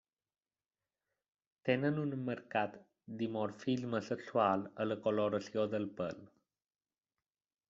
Tenen un marcat dimorfisme sexual a la coloració del pèl.